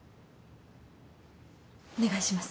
お願いします。